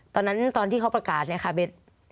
ตอนนั้นตอนที่เขาประกาศนี่ค่ะเบ็ด